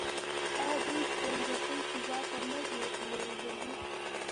آیا دوی سپوږمکۍ فضا ته نه دي لیږلي؟